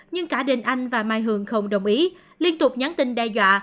nhưng cả đình anh và mai hường không đồng ý liên tục nhắn tin đe dọa